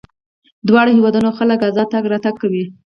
دواړو هېوادونو خلک ازاد تګ راتګ کوي.